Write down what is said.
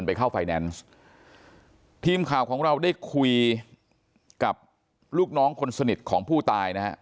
ไปเข้าไฟแนนซ์ทีมข่าวของเราได้คุยกับลูกน้องคนสนิทของผู้ตายนะฮะ